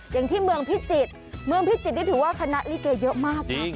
อย่างที่เมืองพิจิตรเมืองพิจิตรนี่ถือว่าคณะลิเกเยอะมากนะ